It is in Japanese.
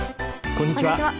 こんにちは。